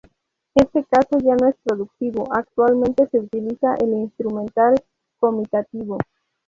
Este caso ya no es productivo; actualmente se utiliza el instrumental-comitativo.